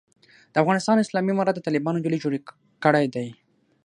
د افغانستان اسلامي امارت د طالبانو ډلې جوړ کړی دی.